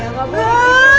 enggak mamaku enggak mau